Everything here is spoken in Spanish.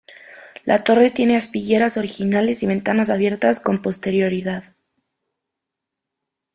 La torre tiene aspilleras originales y ventanas abiertas con posterioridad.